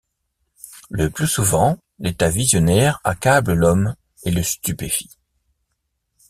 Le plus souvent l’état visionnaire accable l’homme et le stupéfie.